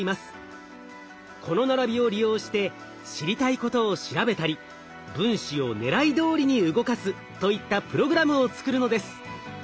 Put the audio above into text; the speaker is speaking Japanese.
この並びを利用して知りたいことを調べたり分子をねらいどおりに動かすといったプログラムを作るのです。